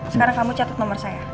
sekarang kamu catat nomor saya